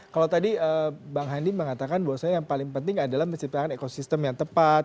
kalau tadi bang handi mengatakan bahwasannya yang paling penting adalah menciptakan ekosistem yang tepat